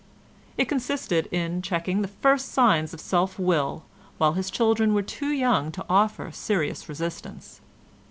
It consisted in checking the first signs of self will while his children were too young to offer serious resistance.